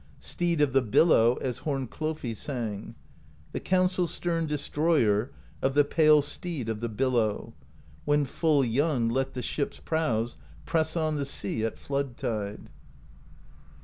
Steed of the Billow, as Hornklofi sang: The Counsel Stern Destroyer Of the pale Steed of the Billow When full young let the ships' prows Press on the sea at flood tide.